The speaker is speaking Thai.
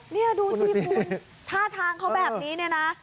นี่ดูที่คุณท่าทางเขาแบบนี้นะ